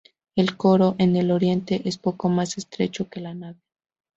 El coro, en el oriente, es poco más estrecho que la nave.